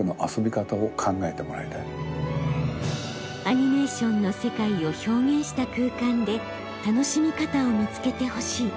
アニメーションの世界を表現した空間で楽しみ方を見つけてほしい。